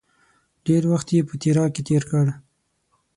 ډېر وخت یې په تیراه کې تېر کړ.